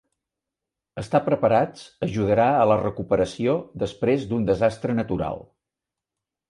Estar preparats ajudarà a la recuperació després d'un desastre natural.